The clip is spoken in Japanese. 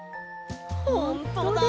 ほんとだ。